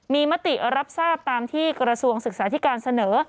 มีมติรับทราบตามที่กระทรวงศึกษาธิการเสนอ